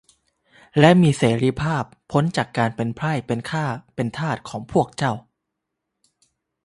และมีเสรีภาพพ้นจากการเป็นไพร่ เป็นข้าเป็นทาสของพวกเจ้า